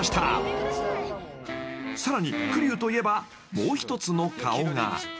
［さらに久利生といえばもう一つの顔が］